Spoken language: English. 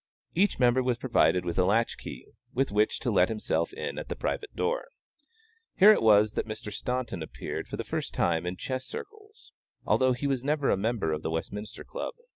Each member was provided with a latch key, with which to let himself in at the private door. Here it was that Mr. Staunton appeared for the first time in chess circles, although he was never a member of the Westminster Club.